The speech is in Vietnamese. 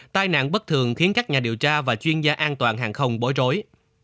tai nạn bất thường khiến các nhà điều tra và chuyên gia an toàn hàng không bối rối